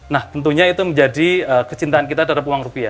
nah tentunya itu menjadi kecintaan kita terhadap uang rupiah